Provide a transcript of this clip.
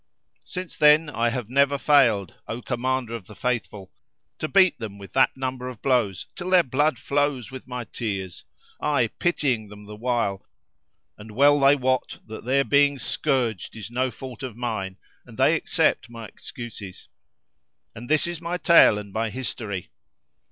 Since then I have never failed, O Commander of the Faithful, to beat them with that number of blows till their blood flows with my tears, I pitying them the while, and well they wot that their being scourged is no fault of mine and they accept my excuses. And this is my tale and my history!